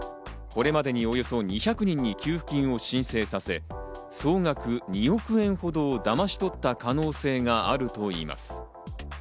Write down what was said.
これまでにおよそ２００人に給付金を申請させ、総額２億円ほどをだまし取った可能性があるといいます。